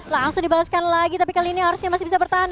langsung dibahaskan lagi tapi kali ini harusnya masih bisa bertahan